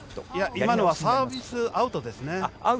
今のはサービスアウトですね。